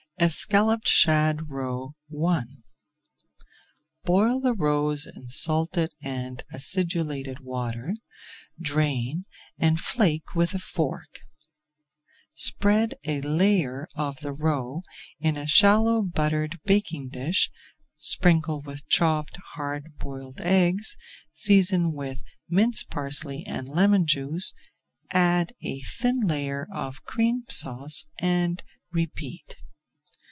ESCALLOPED SHAD ROE I Boil the roes in salted and acidulated water, drain, and flake with a fork. Spread a layer of the roe in a shallow buttered baking dish, sprinkle with chopped hard boiled eggs, season with minced parsley and lemon juice, add a thin layer of Cream Sauce and repeat.